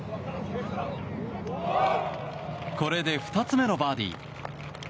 これで２つ目のバーディー。